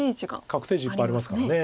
確定地いっぱいありますからね。